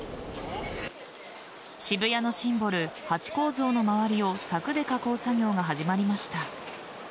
渋谷のシンボルハチ公像の周りを柵で囲う作業が始まりました。